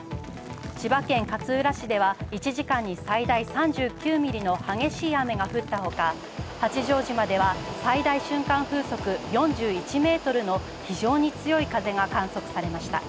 千葉県勝浦市では１時間に最大３９ミリの激しい雨が降ったほか、八丈島では最大瞬間風速４１メートルの非常に強い風が観測されました。